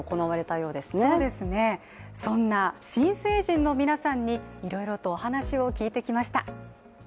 そうですね、そんな新成人の皆さんにいろいろとお話を聞いてきました。